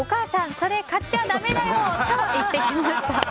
それ買っちゃだめだよ！と言ってきました。